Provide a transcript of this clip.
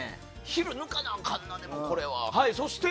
昼抜かなあかんな、でもこれは。